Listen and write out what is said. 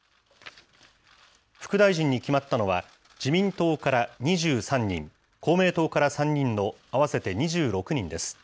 副大臣に決まったのは、自民党から２３人、公明党から３人の合わせて２６人です。